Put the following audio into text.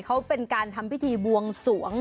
เขาเป็นการทำพิธีบวงสวง